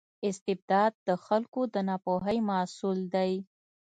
استبداد د خلکو د ناپوهۍ محصول دی.